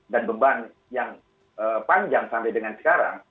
dan beban yang panjang sampai dengan sekarang